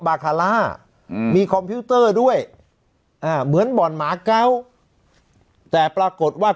บาคาร่าอืมมีคอมพิวเตอร์ด้วยอ่าเหมือนบ่อนหมาเกาะแต่ปรากฏว่า